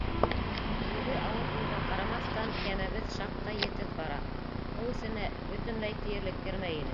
Йөгө ауыр булыуға ҡарамаҫтан, кәмәбеҙ шаҡтай етеҙ бара, һыу эсенә бөтөнләй тиерлек кермәй ине.